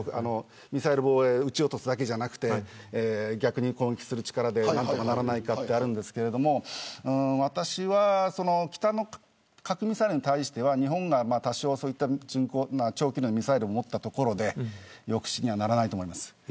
ミサイル防衛は撃ち落とすだけじゃなくて逆に攻撃する力で何とかできないかとかあるんですが私は、北の核ミサイルに対しては日本が多少、長距離のミサイルを持ったところで抑止にはならないと思います。